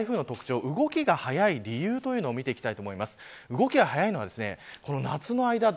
まず今回の台風の特徴動きが速い理由を見ていきたいと思います。